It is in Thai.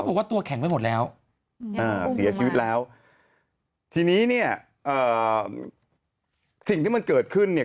บอกว่าตัวแข็งไปหมดแล้วอืมอ่าเสียชีวิตแล้วทีนี้เนี่ยเอ่อสิ่งที่มันเกิดขึ้นเนี่ย